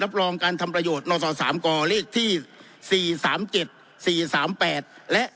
รับรองการทำประโยชน์สามก่อเลขที่สี่สามเจ็ดสี่สามแปดและ